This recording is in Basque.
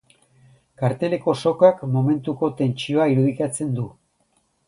Karteleko sokak momentuko tensioa irudikatzen du.